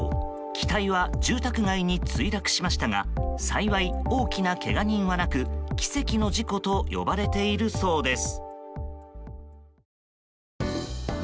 機体は住宅街に墜落しましたが幸い、大きなけが人はなく奇跡の事故と呼ばれているそうです。